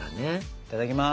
いただきます。